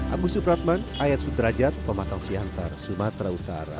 agus supratman ayat sudrajat pematang siantar sumatera utara